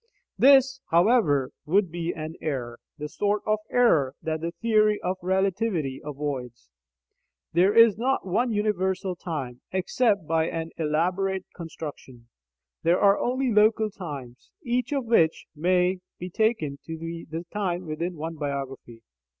This, however, would be an error the sort of error that the theory of relativity avoids. There is not one universal time, except by an elaborate construction; there are only local times, each of which may be taken to be the time within one biography.